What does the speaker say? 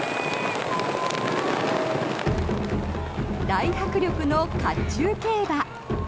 大迫力の甲冑競馬。